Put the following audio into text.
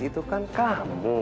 itu kan kamu